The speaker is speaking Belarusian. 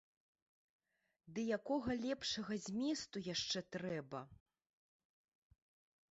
Ды якога лепшага зместу яшчэ трэба?